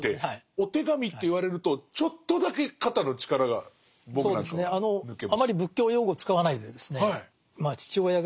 お手紙って言われるとちょっとだけ肩の力が僕なんかは抜けます。